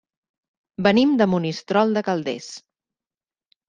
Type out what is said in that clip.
Venim de Monistrol de Calders.